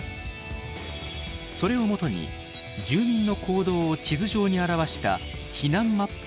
それを基に住民の行動を地図上に表した避難マップを作成。